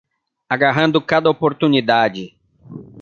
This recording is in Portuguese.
Agarrando cada oportunidade